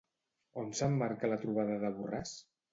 On s'emmarca la trobada de Borràs?